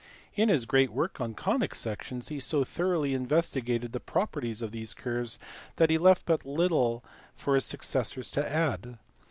In his great work on conic sections he so thoroughly investigated the properties of these curves that he left but little for his successors to add.